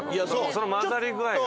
その混ざり具合が。